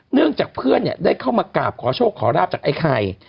เนื่องจากเพื่อนได้เข้ามากราบขอโชคขอราบจากไอ้ไข่